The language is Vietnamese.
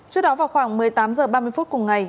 trước đó vào khoảng một mươi tám h ba mươi phút cùng ngày